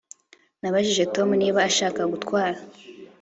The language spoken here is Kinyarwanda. Nabajije Tom niba ashaka gutwara